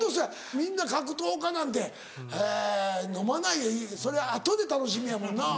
みんな格闘家なんて飲まないそれ後で楽しみやもんな。